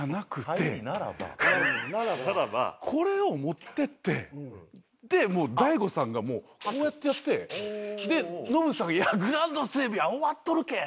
これを持っていってで大悟さんがもうこうやってやってでノブさん「グラウンド整備は終わっとるけん！」